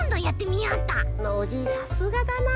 さすがだな。